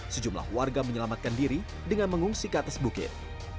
sejumlah warga menyelamatkan diri dengan mengungsi ke atas bukit